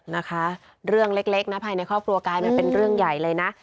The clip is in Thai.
นะคะเรื่องเล็กนะภายในครอบครัวกลายมาเป็นเรื่องใหญ่เลยนะ